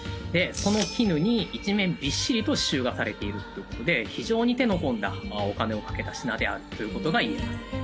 この絹に一面びっしりと刺繍がされているという事で非常に手の込んだお金をかけた品であるという事が言えます。